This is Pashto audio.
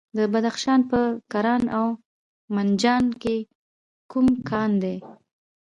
د بدخشان په کران او منجان کې کوم کان دی؟